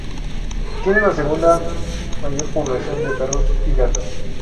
Tiene la segunda mayor población de perros y gatos.